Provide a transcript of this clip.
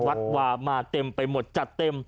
วัดวามาเต็มไปหมดจัดเต็ม